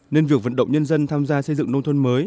nên việc vận động nhân dân tham gia xây dựng nông thôn mới